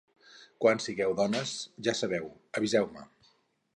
Quan sigueu dones, ja sabeu... aviseu-me!